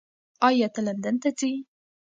ایا ته لندن ته ځې؟